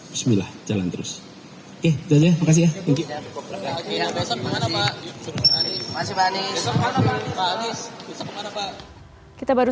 bismillah jalan terus ya terima kasih ya terima kasih masih manis manis kita baru